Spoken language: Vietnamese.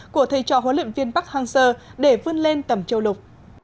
của thầy trò huấn luyện viên park hang seo để vươn lên tầm châu lục